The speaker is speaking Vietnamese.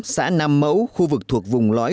xã nam mẫu khu vực thuộc vùng lõi